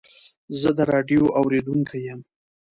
زه د راډیو اورېدونکی یم.